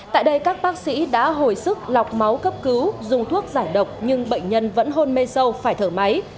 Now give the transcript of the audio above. tại đây các bác sĩ đã hồi sức lọc máu cấp cứu dùng thuốc giải độc nhưng bệnh nhân vẫn hôn mê sâu phải thở máy